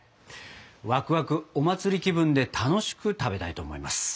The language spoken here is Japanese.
ワクワクお祭り気分で楽しく食べたいと思います！